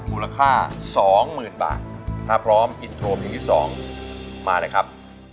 มูลค่าสองหมื่นบาทถ้าพร้อมอินโทรเพลงที่สองมาเลยครับ